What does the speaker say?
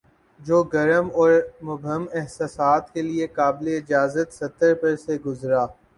جو گرم اور مبہم احساسات کے لیے قابلِاجازت سطر پر سے گزرا